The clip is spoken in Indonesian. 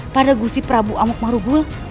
pada gusti prabu amuk marugul